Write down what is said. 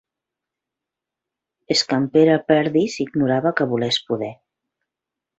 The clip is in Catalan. És que en Pere Perdis ignorava que voler és poder.